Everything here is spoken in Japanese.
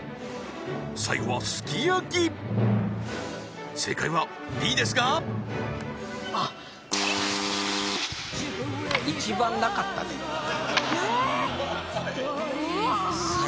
最後はすき焼き正解はＢですがあっえっええー